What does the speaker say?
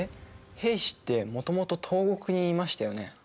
平氏ってもともと東国にいましたよね？